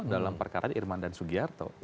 dalam perkara irman dan sugiarto